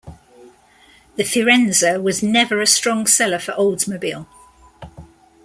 The Firenza was never a strong seller for Oldsmobile.